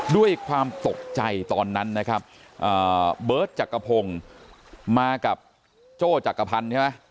ด้วยความตกใจตอนนั้นนะครับเบิร์ตจักรพงศ์มากับโจ้จักรพันธ์ใช่ไหม